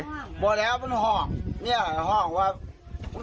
ไม่แล้วมันห้องนี่ห้องว่า